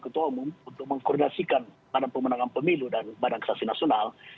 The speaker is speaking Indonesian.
ketua umum untuk mengkoordinasikan badan pemenangan pemilu dan badan kesasi nasional